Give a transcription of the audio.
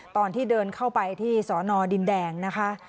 ตอนที่เดินเข้าไปที่สอนอดินแดงนะคะ